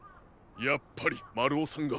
やっぱりまるおさんが。